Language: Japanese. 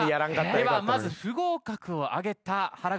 ではまず不合格を挙げた原口さん。